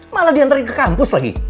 malah diantarin ke kampus lagi